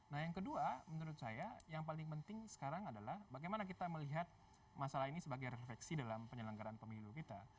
nah yang kedua menurut saya yang paling penting sekarang adalah bagaimana kita melihat masalah ini sebagai refleksi dalam penyelenggaraan pemilu kita